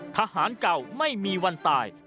ทหารเก่าไม่มีวันตาย